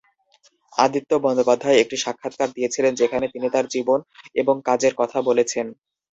আদিত্য বন্দ্যোপাধ্যায় একটি সাক্ষাৎকার দিয়েছেন যেখানে তিনি তাঁর জীবন এবং কাজের কথা বলেছেন।